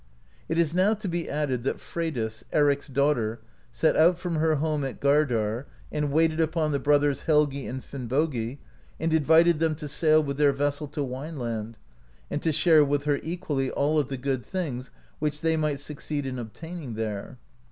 It is now to be added that Freydis, Eric's daughter, set out from her home at Gar dar, and waited upon the brothers, Helgi and Finnbogi, and invited them to sail with their vessel to Wineland, and to share with her equally all of the good things which they might succeed in obtaining there.